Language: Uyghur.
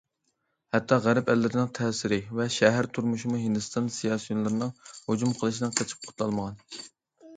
ھەتتا غەرب ئەللىرىنىڭ تەسىرى ۋە شەھەر تۇرمۇشىمۇ ھىندىستان سىياسىيونلىرىنىڭ« ھۇجۇم» قىلىشىدىن قېچىپ قۇتۇلالمىغان.